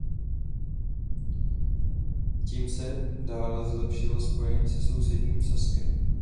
Tím se dále zlepšilo spojení se sousedním Saskem.